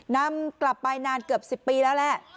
นำกลับไปนานเกือบ๑๐ปีแล้วแหละ